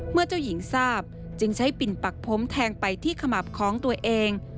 เจ้าหญิงทราบจึงใช้ปิ่นปักผมแทงไปที่ขมับของตัวเอง